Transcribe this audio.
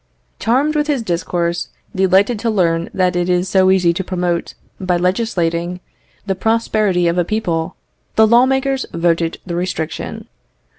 Charmed with his discourse, delighted to learn that it is so easy to promote, by legislating, the prosperity of a people, the law makers voted the restriction.